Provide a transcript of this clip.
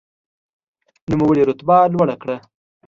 نوموړي رتبه لوړه کړه.